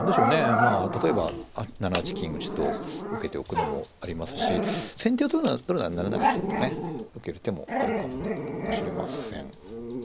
まあ例えば７八金打と受けておくのもありますし先手を取るなら７七金とね受ける手もあるかもしれません。